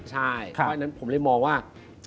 เพราะฉะนั้นผมเลยมองว่า